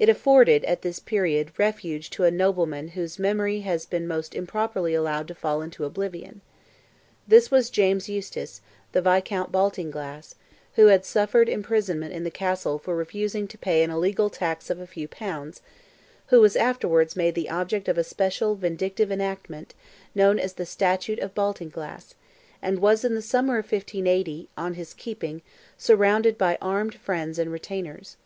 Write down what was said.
It afforded, at this period, refuge to a nobleman whose memory has been most improperly allowed to fall into oblivion. This was James Eustace, Viscount Baltinglass, who had suffered imprisonment in the Castle for refusing to pay an illegal tax of a few pounds, who was afterwards made the object of a special, vindictive enactment, known as "the Statute of Baltinglass," and was in the summer of 1580, on his keeping, surrounded by armed friends and retainers.